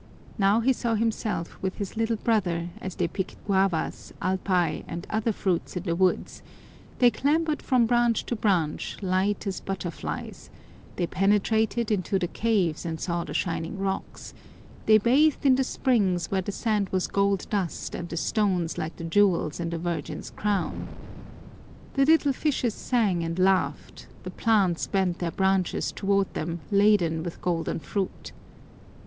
Now he saw himself with his little brother as they picked guavas, alpay, and other fruits in the woods; they clambered from branch to branch, light as butterflies; they penetrated into the caves and saw the shining rocks; they bathed in the springs where the sand was gold dust and the stones like the jewels in the Virgin's crown. The little fishes sang and laughed, the plants bent their branches toward them laden with golden fruit.